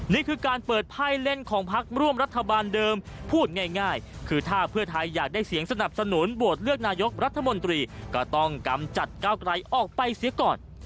นี่คือการเปิดไพ่เล่นของพักร่วมรัฐบาลเดิมพูดง่ายคือถ้าเพื่อไทยอยากได้เสียงสนับสนุนโหวตเลือกนายกรัฐมนตรีก็ต้องกำจัดก้าวไกลออกไปเสียก่อน